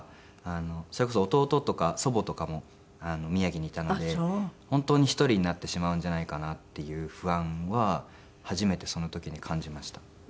それこそ弟とか祖母とかも宮城にいたので本当に１人になってしまうんじゃないかなっていう不安は初めてその時に感じました。